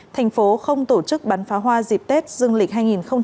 thành phố không tổ chức bán phá hoa dịp tết dương lịch hai nghìn hai mươi ba